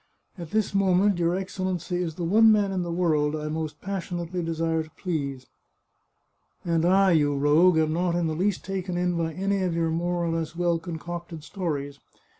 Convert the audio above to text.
At this moment your Excellency is the one man in the world I most passionately desire to please." " And I, you rogue, am not in the least taken in by any of your more or less well concocted stories.